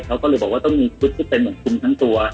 เขาก็เลยบอกว่าต้องมีชุดที่เป็นเหมือนคุมทั้งตัว